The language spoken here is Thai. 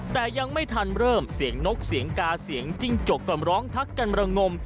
แต่ยังไม่ทันเริ่มเสียงนกเสียงกาเสียงจิ้งจกก่อนร้องทักกันระงม